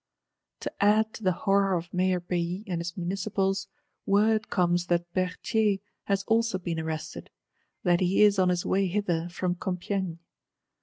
— To add to the horror of Mayor Bailly and his Municipals, word comes that Berthier has also been arrested; that he is on his way hither from Compiègne.